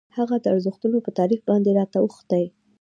هغه د ارزښتونو په تعریف باندې راته اوښتي.